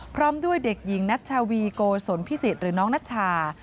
พร้อมด้วยเด็กหญิงนัชวีโกศลพิสิทธิ์หรือน้องนัชชา